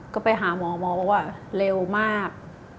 ก็ไปหาหมอหมอบอกว่าเร็วมาก